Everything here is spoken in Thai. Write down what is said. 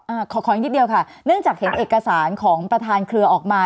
ขอขออีกนิดเดียวค่ะเนื่องจากเห็นเอกสารของประธานเครือออกมา